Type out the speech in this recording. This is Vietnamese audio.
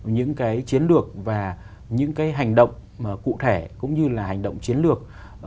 những cái chiến lược và những cái hành động cụ thể cũng như là hành động chiến lược